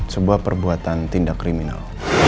sebuah perbuatan tindak kriminal